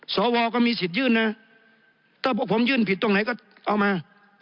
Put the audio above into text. สวก็มีสิทธิ์ยื่นนะถ้าพวกผมยื่นผิดตรงไหนก็เอามา